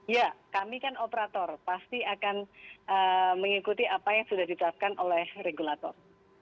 ya kami kan operator pasti akan mengikuti apa yang sudah ditetapkan oleh regulator